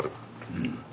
うん。